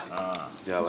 じゃあ私も。